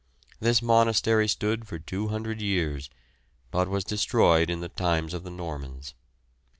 This monastery stood for 200 years, but was destroyed in the times of the Normans.